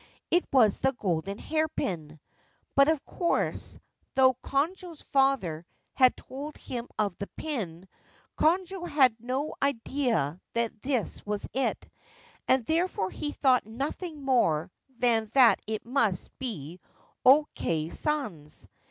It was the golden hairpin ; but of course, though Konojo's father had told him of the pin, Konojo had no idea that this was it, and therefore he thought nothing more than that it must be O Kei San's.